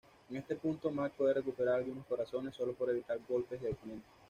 En este punto, Mac puede recuperar algunos corazones, sólo por evitar golpes del oponente.